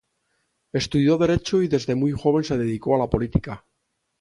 Estudió Derecho y desde muy joven se dedicó a la política.